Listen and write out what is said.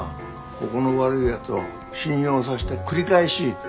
ここの悪いやつを信用さして繰り返し借りさせる。